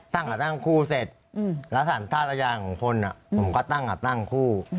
ตั้งกับตั้งคู่เสร็จแล้วสารธาระยาของคนผมก็ตั้งกับตั้งคู่